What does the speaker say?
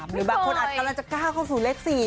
หรือบางคนอาจกำลังจะก้าวเข้าสู่เลข๔